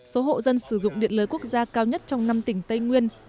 số hộ dân sử dụng điện lưới quốc gia cao nhất trong năm tỉnh tây nguyên